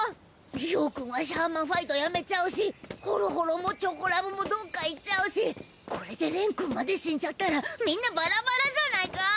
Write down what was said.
葉くんはシャーマンファイトやめちゃうしホロホロもチョコラブもどっか行っちゃうしこれでくんまで死んじゃったらみんなバラバラじゃないか！